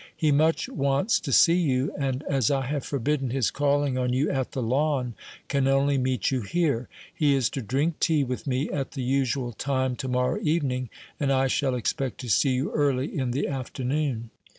He much wants to see you, and, as I have forbidden his calling on you at the Lawn, can only meet you here. He is to drink tea with me at the usual time to morrow evening, and I shall expect to see you early in the afternoon."